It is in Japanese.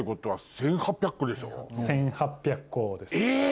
１８００個です。え！